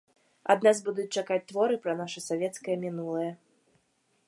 Ад нас будуць чакаць творы пра наша савецкае мінулае.